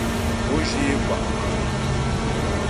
Ǒ zhyə é kwà' màmà.